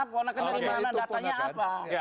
ponakan dari mana datanya apa